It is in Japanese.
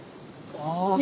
ああ。